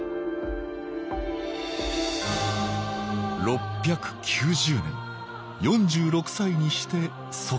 ６９０年４６歳にして即位。